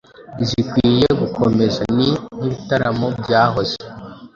zikwiye gukomeza, ni nk'ibitaramo byahoze